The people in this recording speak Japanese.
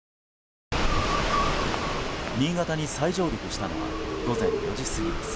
新潟に再上陸したのは午前４時過ぎです。